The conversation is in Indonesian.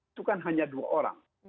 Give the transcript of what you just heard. itu kan hanya dua orang